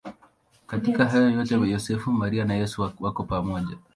Katika hayo yote Yosefu, Maria na Yesu wako pamoja.